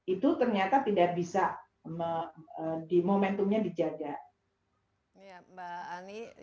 itu ternyata tidak bisa di momentumnya dijaga